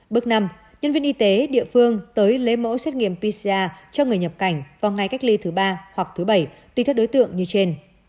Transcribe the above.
bước năm nhân viên y tế địa phương tới lấy mẫu xét nghiệm pcr cho người nhập cảnh vào ngày cách ly thứ ba hoặc thứ bảy tùy theo đối tượng như trên